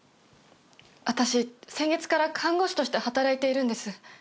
私先月から看護師として働いているんです。